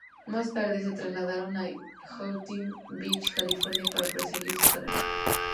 Más tarde se trasladaron a Huntington Beach, California para perseguir su carrera.